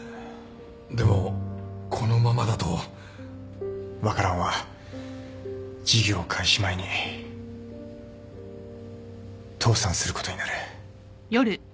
でもこのままだと。ワカランは事業開始前に倒産することになる。